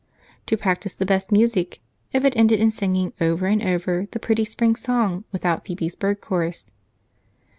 To practice the best music if it ended in singing over and over the pretty spring song without Phebe's bird chorus?